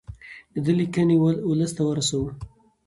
د ده لیکنې ولس ته ورسوو.